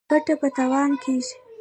ګټه په تاوان کیږي.